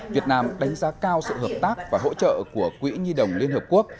việt nam đánh giá cao sự hợp tác và hỗ trợ của quỹ nhi đồng liên hợp quốc